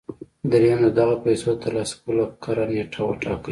درېيم د دغو پيسو د ترلاسه کولو کره نېټه وټاکئ.